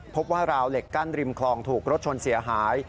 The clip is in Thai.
ว่าราวเหล็กกั้นริมคลองถูกรถชนเสียหาย